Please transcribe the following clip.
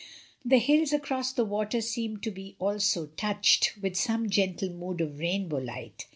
The hills across the water seemed to be also touched with some gentle mood of rain bow light.